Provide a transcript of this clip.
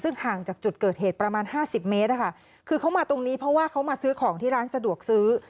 ซึ่งห่างจากจุดเกิดเหตุประมาณห้าสิบเมตรนะคะคือเขามาตรงนี้เพราะว่าเขามาซื้อของที่ร้านสะดวกซื้อ